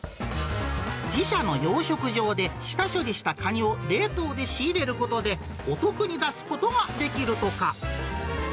自社の養殖場で下処理したカニを冷凍で仕入れることで、お得に出すことができるとか。